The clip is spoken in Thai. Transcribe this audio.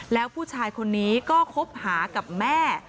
แล้วผู้ชายคนนี้ก็คบหากับแม่